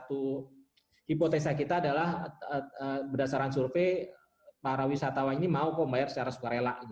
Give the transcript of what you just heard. satu hipotesa kita adalah berdasarkan survei para wisatawan ini mau pembayar secara sukarela